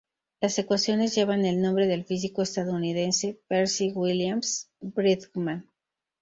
Las ecuaciones llevan el nombre del físico estadounidense Percy Williams Bridgman.